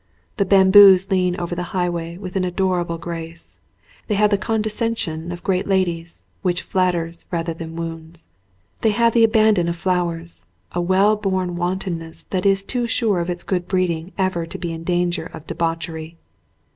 The bamboos lean over the highway with an adorable grace. They have the condescension of great ladies which flat ters rather than wounds. They have the abandon of flowers, a well born wantonness that is too sure of its good breeding ever to be in danger of de bauchery.